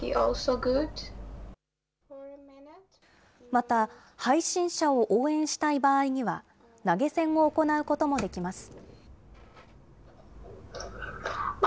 また、配信者を応援したい場合には、投げ銭を行うこともできます。